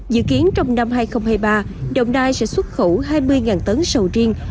dự kiến trong năm hai nghìn hai mươi ba đồng nai sẽ xuất khẩu hai mươi tấn sầu riêng